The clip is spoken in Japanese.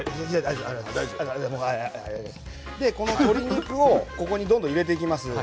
この鶏肉をどんどん入れていきます。